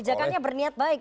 kebijakannya berniat baik